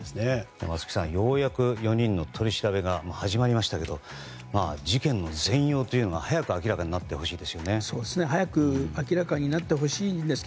松木さん、ようやく４人の取り調べが始まりましたが事件の全容というのが早く明らかになってほしいですね。